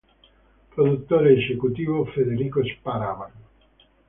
Produttore esecutivo Federico Sparano.